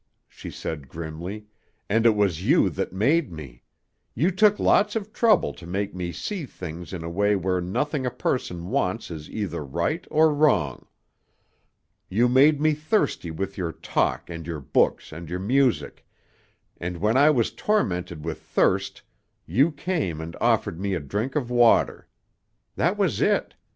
she said grimly; "and it was you that made me. You took lots of trouble to make me see things in a way where nothing a person wants is either right or wrong. You made me thirsty with your talk and your books and your music, and when I was tormented with thirst, you came and offered me a drink of water. That was it.